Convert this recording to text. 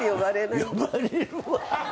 呼ばれるわ。